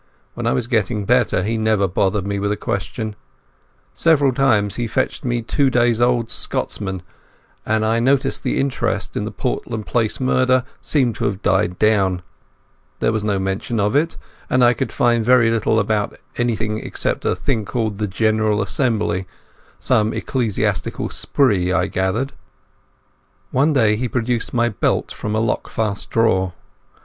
When I was getting better, he never bothered me with a question. Several times he fetched me a two days' old Scotsman, and I noticed that the interest in the Portland Place murder seemed to have died down. There was no mention of it, and I could find very little about anything except a thing called the General Assembly—some ecclesiastical spree, I gathered. One day he produced my belt from a lockfast drawer.